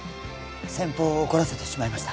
先方を怒らせてしまいました